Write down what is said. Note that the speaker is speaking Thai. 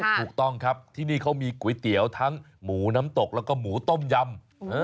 ถูกต้องครับที่นี่เขามีก๋วยเตี๋ยวทั้งหมูน้ำตกแล้วก็หมูต้มยำ